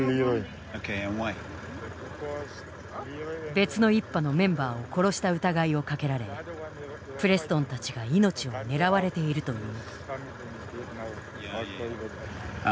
別の一派のメンバーを殺した疑いをかけられプレストンたちが命を狙われているという。